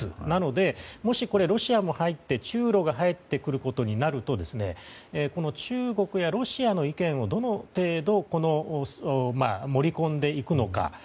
なのでもし、ロシアが入って中露が入ってくることになると中国やロシアの意見をどの程度、盛り込んでいくのか。